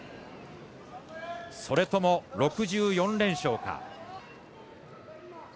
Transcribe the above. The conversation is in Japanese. それとも６４連勝か。